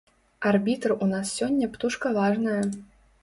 Арбітр у нас сёння птушка важная.